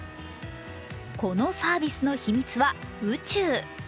このサービスの秘密は宇宙。